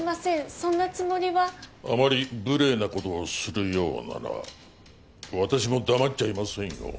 そんなつもりはあまり無礼なことをするようなら私も黙っちゃいませんよ